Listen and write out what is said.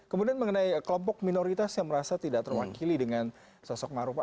kemudian mengenai kelompok minoritas yang merasa tidak terwakili dengan sosok marufa